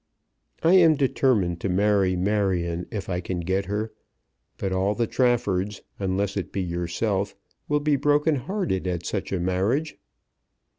I am determined to marry Marion if I can get her; but all the Traffords, unless it be yourself, will be broken hearted at such a marriage.